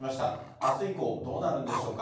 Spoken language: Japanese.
あす以降、どうなるんでしょうか。